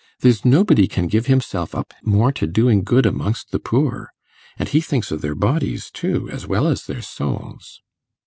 There's nobody can give himself up more to doing good amongst the poor; and he thinks of their bodies too, as well as their souls.